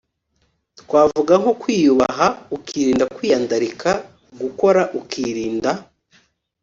twavuga nko kwiyubaha ukirinda kwiyandarika, gukora ukirinda